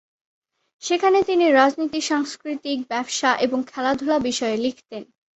সেখানে তিনি রাজনীতি, সংস্কৃতি, ব্যবসা এবং খেলাধুলা বিষয়ে লিখতেন।